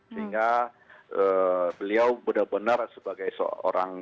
sehingga beliau benar benar sebagai seorang